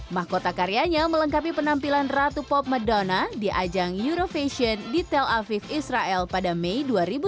mahkota karyanya melengkapi penampilan ratu pop madonna di ajang eurovision di tel aviv israel pada mei dua ribu sembilan belas